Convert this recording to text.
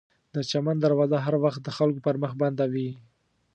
د چمن دروازه هر وخت د خلکو پر مخ بنده وي.